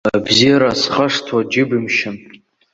Абзиара схашҭуа џьыбымшьан.